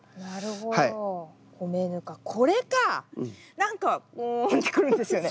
何かうんって来るんですよね。